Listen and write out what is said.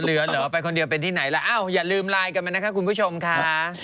เลยเหลือเหรอไปคนเดียวไปที่ไหนแล้วเฮ้อย่าลืมไลน์กันไหมนะครับคุณผู้ชมค้า